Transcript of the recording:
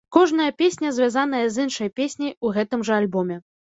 Кожная песня звязаная з іншай песняй у гэтым жа альбоме.